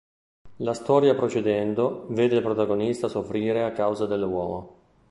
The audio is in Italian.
La storia, procedendo, vede il protagonista soffrire a causa dell'uomo.